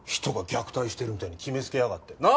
人が虐待してるみたいに決めつけやがって。